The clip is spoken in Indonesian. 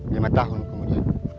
ya lima tahun kemudian